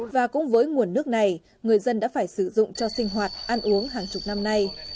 và cũng với nguồn nước này người dân đã phải sử dụng cho sinh hoạt ăn uống hàng chục năm nay